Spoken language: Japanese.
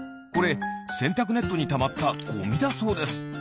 これせんたくネットにたまったゴミだそうです。